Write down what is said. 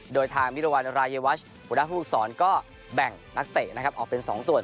โดยทางมิรวรรณรายวัชหัวหน้าภูมิสอนก็แบ่งนักเตะนะครับออกเป็น๒ส่วน